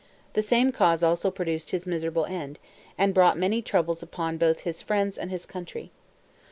The same cause also produced his miserable end, and brought many troubles upon both his friends and his country.